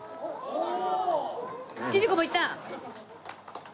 千里子もいった？